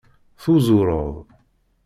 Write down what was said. Tuzureḍ.